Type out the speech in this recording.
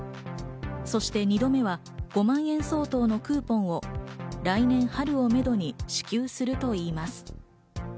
そして２度目は５万円相当のクーポンを来年春をめどに支給するといいます。